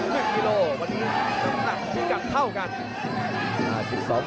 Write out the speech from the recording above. ๑มิโลวันนี้น้ำหนักมีกันเข้ากัน